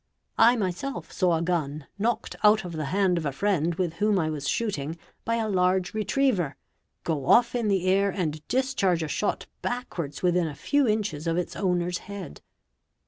I myself saw a gun, knocked out of the hand of a friend with whom | I was shooting by a large retriever, go off in the air and discharge a shot backwards within a few inches of its owner's head.